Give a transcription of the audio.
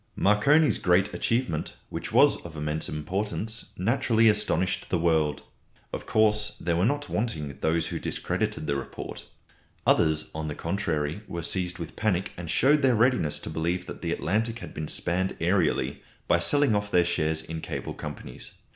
Marconi's great achievement, which was of immense importance, naturally astonished the world. Of course, there were not wanting those who discredited the report. Others, on the contrary, were seized with panic and showed their readiness to believe that the Atlantic had been spanned aërially, by selling off their shares in cable companies.